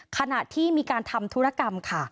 ขณะที่มีการทำธุรกรรมค่ะ